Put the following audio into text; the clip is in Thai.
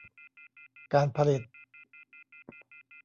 การผลิต